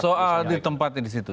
soal tempatnya di situ